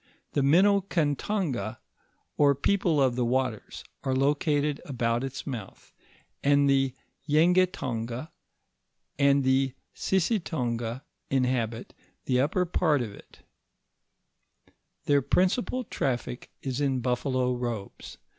The Minokantongs, or people of the waters, are locate«l about its mouth, and the Yengetongs, and the Sissitongs, inhabit the upper part of it (School craft); their principal traflic is in buffalo robes.